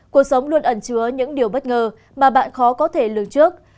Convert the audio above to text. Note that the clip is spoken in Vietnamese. cuộc sống luôn ẩn chứa những điều bất ngờ mà bạn khó có thể lường trước